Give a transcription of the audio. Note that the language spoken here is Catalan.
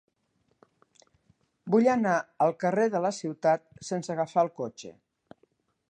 Vull anar al carrer de la Ciutat sense agafar el cotxe.